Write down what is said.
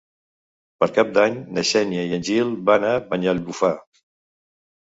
Per Cap d'Any na Xènia i en Gil van a Banyalbufar.